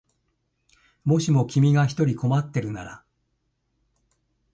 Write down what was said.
もしも君が一人困ってるなら